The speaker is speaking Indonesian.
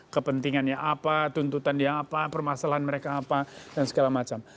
kepentingannya apa tuntutan dia apa permasalahan mereka apa dan segala macam